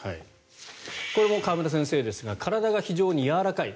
これも川村先生ですが体が非常にやわらかい。